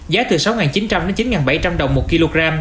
giá từ sáu chín trăm linh đến chín bảy trăm linh đồng một kg